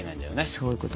そういうこと。